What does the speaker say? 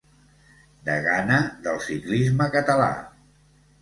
Degana del ciclisme català.